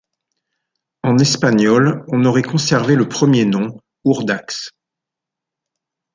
En espagnol on aurait conservé le premier nom, Urdax.